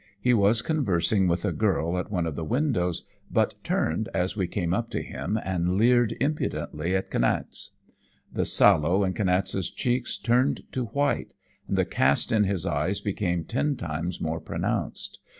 He was conversing with a girl at one of the windows, but turned as we came up to him and leered impudently at Kniaz. The sallow in Kniaz's cheeks turned to white, and the cast in his eyes became ten times more pronounced.